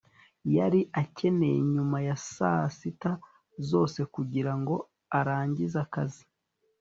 yari akeneye nyuma ya saa sita zose kugirango arangize akazi